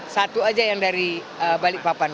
satu aja yang dari balikpapan